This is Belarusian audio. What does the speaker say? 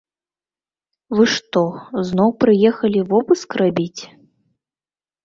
Вы што, зноў прыехалі вобыск рабіць?